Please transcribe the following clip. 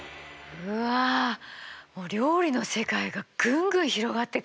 うわ料理の世界がぐんぐん広がっていくね。